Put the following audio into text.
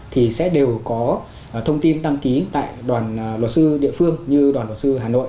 thì sẽ đều có thông tin đăng ký tại đoàn luật sư địa phương như đoàn luật sư hà nội